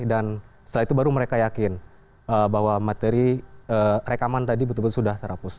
dan setelah itu baru mereka yakin bahwa materi rekaman tadi betul betul sudah terhapus